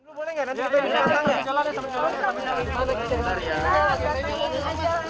boleh nggak nanti kita jalan jalan